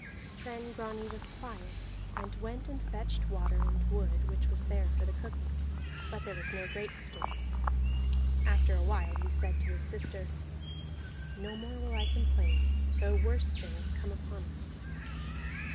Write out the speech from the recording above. Then Grani was quiet, and went and fetched water, and wood which was there for the cooking (but there was no great store). After a while he said to his sister, "No more will I complain, though worse things come upon us."